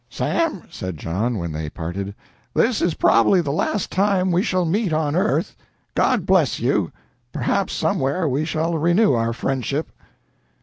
"Sam," said John, when they parted, "this is probably the last time we shall meet on earth. God bless you. Perhaps somewhere we shall renew our friendship."